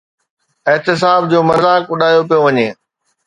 احتساب جو مذاق اڏايو پيو وڃي.